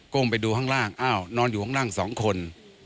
ก้มไปดูข้างล่างนอนอยู่ข้างล่าง๒คน